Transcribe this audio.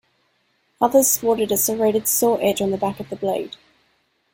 Others sported a serrated saw edge on the back of the blade.